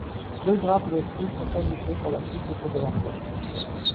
Deux grappes de fruits furent ajoutées par la suite autour de la pomme.